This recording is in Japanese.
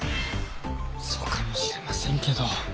そうかもしれませんけど。